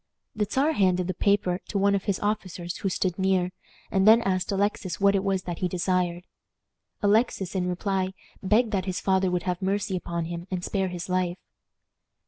The Czar handed the paper to one of his officers who stood near, and then asked Alexis what it was that he desired. Alexis, in reply, begged that his father would have mercy upon him and spare his life.